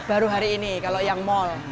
baru hari ini kalau yang mal